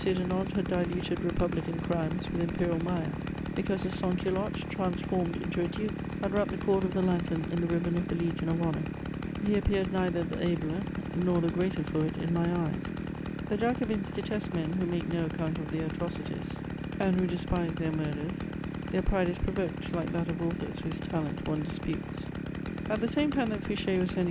"de Nantes" had diluted republican crimes with imperial mire; because the sans culotte, transformed into a duke, had wrapped the cord of the lantern in the ribbon of the Legion of Honour, he appeared neither the abler nor the greater for it in my eyes. The Jacobins detest men who make no account of their atrocities and who despise their murders; their pride is provoked, like that of authors whose talent one disputes. * [Sidenote: His underhand negotiations.] At the same time that Fouché was sending M.